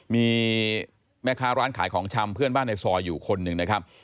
มีแม่ค้าร้านขายของชำเพื่อนบ้านในซอยอยู่คนหนึ่งนะครับ